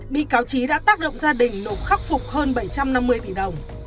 bị cáo trí đã tác động gia đình nộp khắc phục hơn bảy trăm năm mươi tỷ đồng